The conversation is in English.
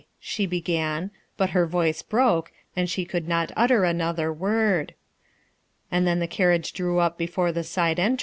she began, but her voice broke and she could not utter another word. And then the carriage drew up before the side en